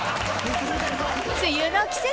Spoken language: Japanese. ［梅雨の季節